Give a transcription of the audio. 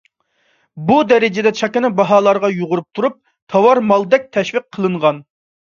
بۇ دەرىجىدە چاكىنا باھالارغا يۇغۇرۇپ تۇرۇپ تاۋار مالدەك تەشۋىق قىلىنغان.